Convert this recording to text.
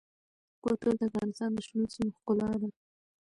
کلتور د افغانستان د شنو سیمو ښکلا ده.